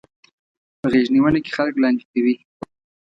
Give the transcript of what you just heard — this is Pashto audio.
په غېږنيونه کې خلک لاندې کوي.